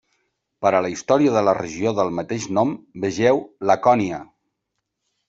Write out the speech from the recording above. Per a la història de la regió del mateix nom, vegeu Lacònia.